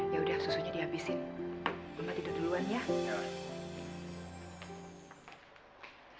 yaudah susunya dihabisin